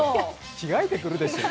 着替えてくるでしょ。